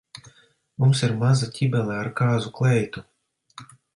Mums ir maza ķibele ar kāzu kleitu.